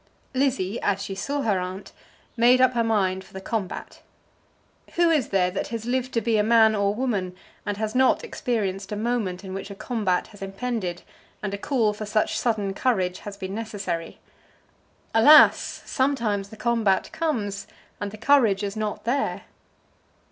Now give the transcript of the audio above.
Lizzie, as she saw her aunt, made up her mind for the combat. Who is there that has lived to be a man or woman, and has not experienced a moment in which a combat has impended, and a call for such sudden courage has been necessary? Alas! sometimes the combat comes, and the courage is not there.